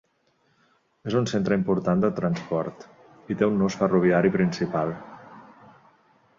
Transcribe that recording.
És un centre important de transport i té un nus ferroviari principal.